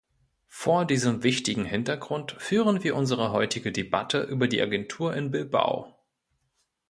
Vor diesem wichtigen Hintergrund führen wir unsere heutige Debatte über die Agentur in Bilbao.